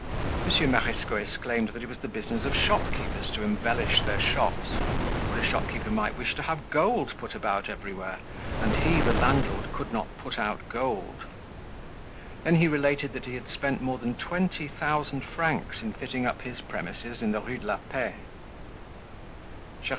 Monsieur Marescot exclaimed that it was the business of shopkeepers to embellish their shops, for a shopkeeper might wish to have gold put about everywhere, and he, the landlord, could not put out gold. Then he related that he had spent more than twenty thousand francs in fitting up his premises in the Rue de la Paix.